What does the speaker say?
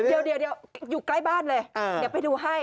เดี๋ยวอยู่ใกล้บ้านเลยเดี๋ยวไปดูให้